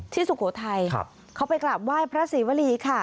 สุโขทัยเขาไปกราบไหว้พระศรีวรีค่ะ